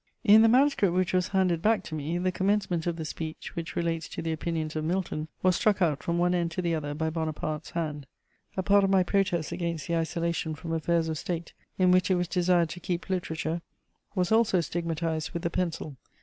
In the manuscript which was handed back to me, the commencement of the speech, which relates to the opinions of Milton, was struck out from one end to the other by Bonaparte's hand. A part of my protest against the isolation from affairs of State, in which it was desired to keep literature, was also stigmatized with the pencil.